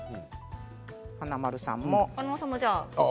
華丸さんも。